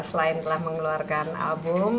selain telah mengeluarkan album